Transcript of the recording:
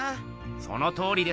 そのとおりです。